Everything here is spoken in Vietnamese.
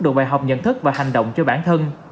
đồ bài học nhận thức và hành động cho bản thân